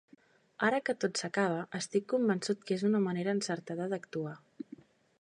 Ara que tot s'acaba estic convençut que és una manera encertada d'actuar.